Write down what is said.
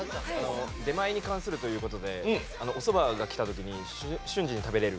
出前に関するということでおそばがきた時に瞬時に食べれる。